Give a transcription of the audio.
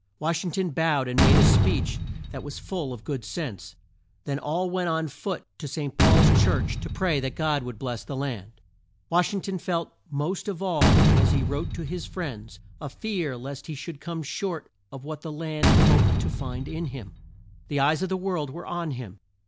Wash ing ton bowed and made a speech that was full of good sense. Then all went on foot to St. Paul's Church to pray that God would bless the land. Wash ing ton felt most of all as he wrote to his friends, a fear lest he should come short of what the land hoped to find in him. The eyes of the world were on him.